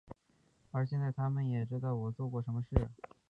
而现在他们也知道我做过什么事。